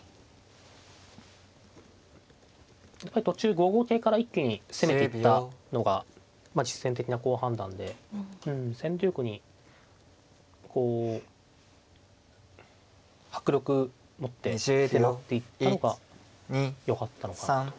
途中５五桂から一気に攻めていったのが実戦的な好判断で先手玉にこう迫力持って迫っていったのがよかったのかなと。